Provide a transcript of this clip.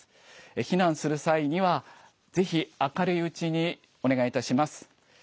避難する際にはぜひ明るいうちにお願いいたします。